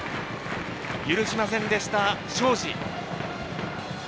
許しませんでした、庄司。